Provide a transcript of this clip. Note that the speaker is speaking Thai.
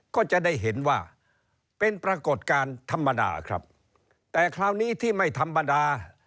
ก็จะได้เห็นว่าเป็นปรากฏการณ์ธรรมดาครับแต่คราวนี้ที่ไม่ธรรมดา